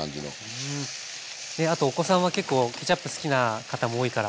あとお子さんは結構ケチャップ好きな方も多いから。